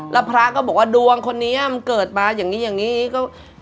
แล้วพระก็บอกว่าดวงคนเนี่ยมเกิดมาอย่างนี้ก็